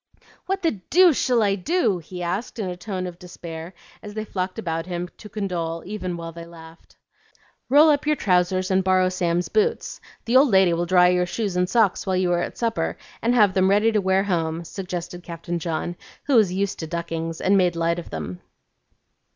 "What the deuce shall I do?" he asked in a tone of despair as they flocked about him to condole even while they laughed. "Roll up your trousers and borrow Sam's boots. The old lady will dry your shoes and socks while you are at supper, and have them ready to wear home," suggested Captain John, who was used to duckings and made light of them.